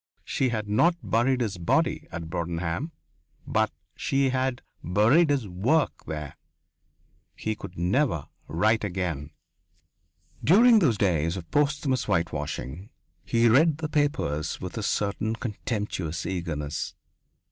She had not buried his body at Broadenham, but she had buried his work there. He could never write again.... During those days of posthumous whitewashing he read the papers with a certain contemptuous eagerness.